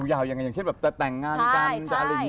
ยาวยังไงอย่างเช่นแบบแต่แต่งงานกันอะไรอย่างนี้กัน